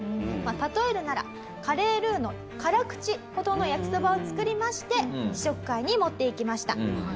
例えるならカレールーの辛口ほどのやきそばを作りまして試食会に持っていきました。